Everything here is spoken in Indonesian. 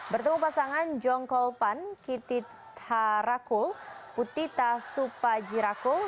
bertemu pasangan jongkol pan kititha rakul putitha supajirakul